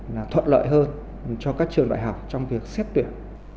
là thuận lợi hơn cho các trường đại học trong việc xét tuyển